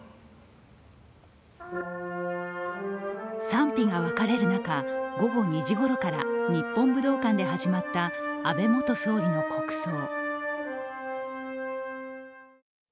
賛否が分かれる中午後２時ごろから日本武道館で始まった安倍元総理の国葬。